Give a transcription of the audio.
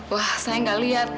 wah saya gak liat